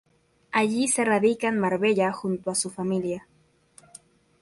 Allí se radica en Marbella junto a su familia.